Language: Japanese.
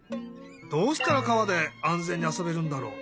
どうしたら川で安全にあそべるんだろう？